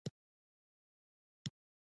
د یکاولنګ بند امیر لري